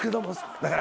だから